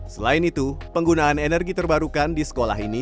selain itu penggunaan energi terbarukan di sekolah ini